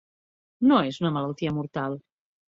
No és una malaltia mortal.